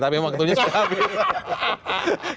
tapi waktunya sudah habis